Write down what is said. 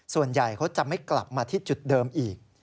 ส่วนใหญ่เขาจะไม่กลับมาที่จุดเดิมอีก